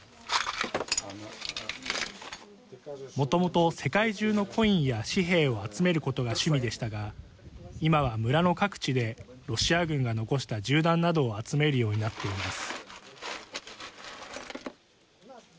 もともと世界中のコインや紙幣を集めることが趣味でしたが今は、村の各地でロシア軍が残した銃弾などを集めるようになっています。